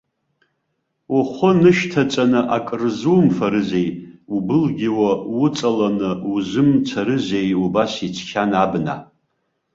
Ухәы нышьҭаҵаны акырзумфарызеи, убылгьо уҵаланы узымцарызеи убас ицқьан абна.